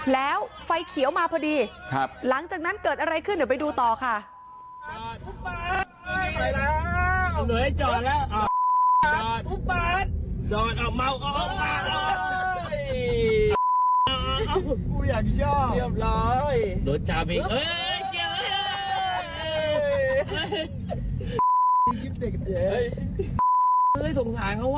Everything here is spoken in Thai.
แล้วไฟเขียวมาพอดีหลังจากนั้นเกิดอะไรขึ้นเดี๋ยวไปดูต่อค่ะ